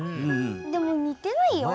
でも似てないよ。